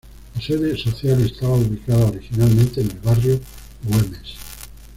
La sede social estaba ubicada originalmente en el barrio Güemes.